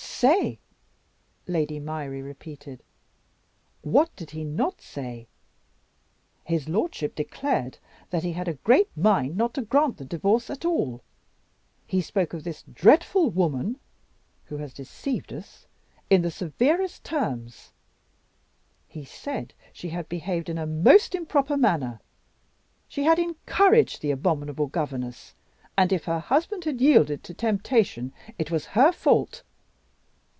"Say?" Lady Myrie repeated. "What did he not say! His lordship declared that he had a great mind not to grant the Divorce at all. He spoke of this dreadful woman who has deceived us in the severest terms; he said she had behaved in a most improper manner. She had encouraged the abominable governess; and if her husband had yielded to temptation, it was her fault.